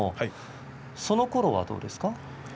そのころはどうですか。